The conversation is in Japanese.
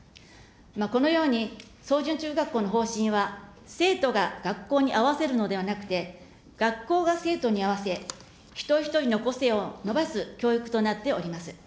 このように、草潤中学校の方針は、生徒が学校に合わせるのではなくて、学校が生徒に合わせ、一人一人の個性を伸ばす教育となっております。